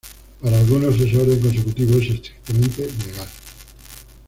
Para algunos ese orden consecutivo es estrictamente "legal".